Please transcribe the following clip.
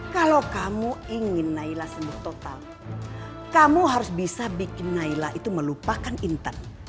kalau kamu ingin nailah sembuh total kamu harus bisa bikin nailah itu melupakan intern